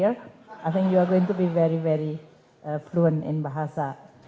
saya pikir kamu akan menjadi sangat fluensi dalam bahasa